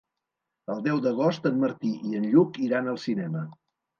El deu d'agost en Martí i en Lluc iran al cinema.